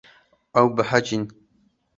Ew behecîn.